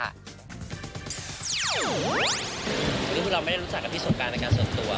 คุณพี่เราไม่ได้รู้จักกับพี่สงการในการสรุปตัว